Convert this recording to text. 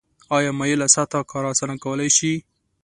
آیا مایله سطحه کار اسانه کولی شي؟